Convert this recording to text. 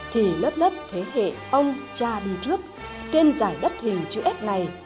thì lớp lớp thế hệ ông cha đi trước trên giải đất hình chữ s này